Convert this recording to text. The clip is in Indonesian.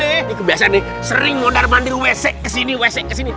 ini kebiasaan nih sering mondar mandir wc ke sini wc ke sini